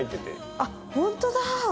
あっ本当だ！